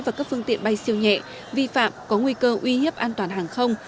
và các phương tiện bay siêu nhẹ vi phạm có nguy cơ uy hiếp an toàn hàng không